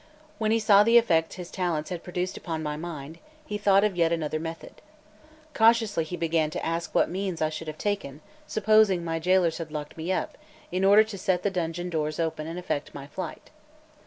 When he saw the effect his talents had produced upon my mind, he thought of yet another method. Cautiously he began to ask what means I should have taken, supposing my jailers had locked me up, in order to set the dungeon doors open and effect my flight.